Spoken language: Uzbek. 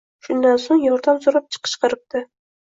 Shundan so‘ng yordam so‘rab qichqiribdi